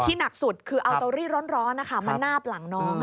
หนักสุดคือเอาเตารี่ร้อนมานาบหลังน้อง